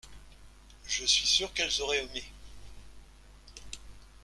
Je suis sûr qu’elles auraient aimé.